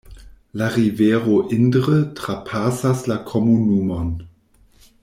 La rivero Indre trapasas la komunumon.